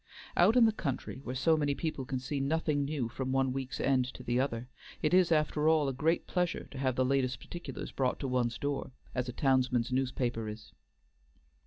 Out in the country, where so many people can see nothing new from one week's end to the other, it is, after all, a great pleasure to have the latest particulars brought to one's door, as a townsman's newspaper is.